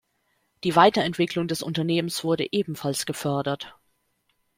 Die Weiterentwicklung des Unternehmens wurde ebenfalls gefördert.